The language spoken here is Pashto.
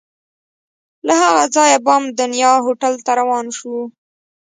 له هغه ځایه بام دنیا هوټل ته روان شوو.